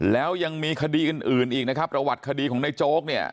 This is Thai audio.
แล้วยังมีคดีอื่นอีกนะครับประวัติคดีของในโจ๊กเนี่ย